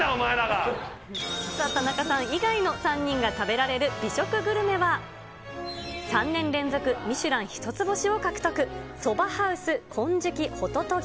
さあ、田中さん以外の３人が食べられる、美食グルメは、３年連続ミシュラン１つ星を獲得、ソバハウス金色不如帰。